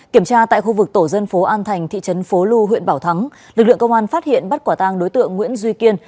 kiểm tra tại khu vực tổ dân phố an thành thị trấn phố lu huyện bảo thắng lực lượng công an phát hiện bắt quả tang đối tượng nguyễn duy kiên